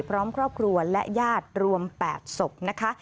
พร้อมครอบครัวและญาติรวม๘ศพนะคะ